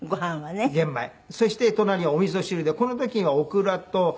そして隣はおみそ汁でこの時にはオクラとトマト。